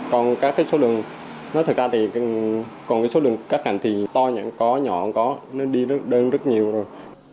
còn các cái số lượng nó thật ra thì còn cái số lượng các cành thì to nhỏ có nó đi đơn rất nhiều rồi